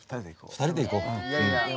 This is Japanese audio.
２人で行こうか。